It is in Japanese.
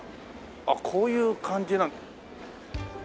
あっこういう感じ。